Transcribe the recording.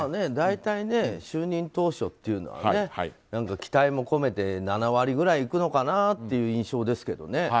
大体、就任当初というのはね期待も込めて７割ぐらいいくのかなという印象ですけどね。